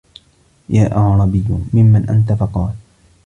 يَا أَعْرَابِيُّ مِمَّنْ أَنْتَ ؟ فَقَالَ